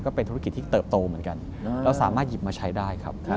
ก็เป็นธุรกิจที่เติบโตเหมือนกันเราสามารถหยิบมาใช้ได้ครับ